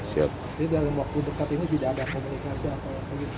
dalam waktu dekat ini tidak ada komunikasi atau apa gitu